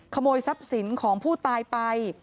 ขโมยทรัพย์สินของผู้ตายไป